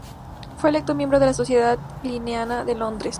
Fue electo miembro de la Sociedad linneana de Londres.